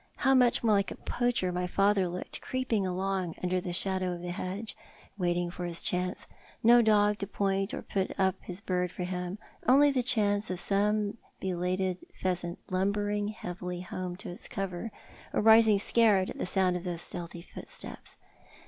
How much more like a poacher my father looked, creeping along under the shadow of the hedge, waiting for his chance, no dog to point, or to put vc^ his bird for him ; only the chance of some belated pheasant lumbering heavily home to its cover, or rising scared at the sound of those stealthy footsteps.